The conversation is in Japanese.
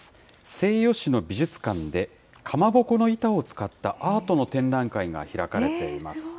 西予市の美術館で、かまぼこの板を使ったアートの展覧会が開かれています。